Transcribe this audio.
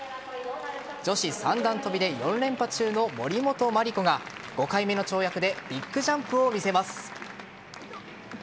女子三段跳びで４連覇中の森本麻里子が５回目の跳躍でビッグジャンプを見せます。